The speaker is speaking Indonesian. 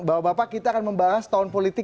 bapak bapak kita akan membahas tahun politik